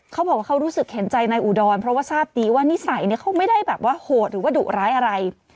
เขาบอกว่าเขารู้สึกเห็นใจนายอุดรเพราะว่าทราบดีว่านิสัยเนี่ยเขาไม่ได้แบบว่าโหดหรือว่าดุร้ายอะไร